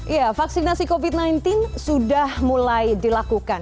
ya vaksinasi covid sembilan belas sudah mulai dilakukan